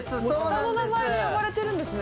下の名前で呼ばれてるんですね。